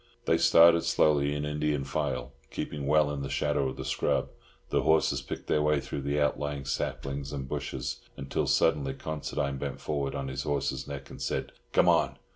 They started slowly in Indian file, keeping well in the shadow of the scrub. The horses picked their way through the outlying saplings and bushes, until suddenly Considine bent forward on his horse's neck, and said, "Come on!"